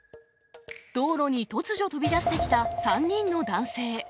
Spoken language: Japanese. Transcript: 道路に突如飛び出してきた３人の男性。